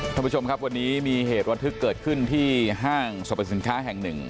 ท่านผู้ชมครับวันนี้มีเหตุระทึกเกิดขึ้นที่ห้างสรรพสินค้าแห่งหนึ่ง